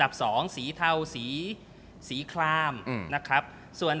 ดวงยังขี่กันเลย